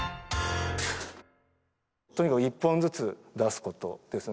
とにかく１本ずつ出すことですね。